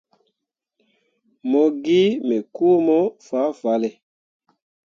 Mo gi me kuumo fah fale.